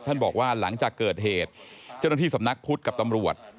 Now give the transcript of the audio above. บอกว่าหลังจากเกิดเหตุเจ้าหน้าที่สำนักพุทธกับตำรวจ